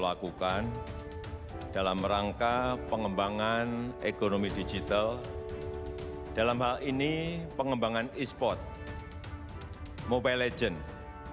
lakukan dalam rangka pengembangan ekonomi digital dalam hal ini pengembangan e sport mobile legends